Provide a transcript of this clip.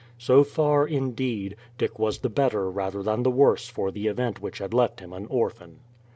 So far, indeed, Dick was the better rather than the worse for the event which had left him an orphan.